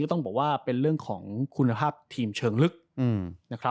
ต้องบอกว่าเป็นเรื่องของคุณภาพทีมเชิงลึกนะครับ